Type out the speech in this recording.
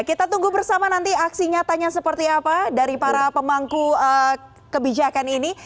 kita tunggu bersama nanti aksi nyatanya seperti apa dari para pemangku kebijakan ini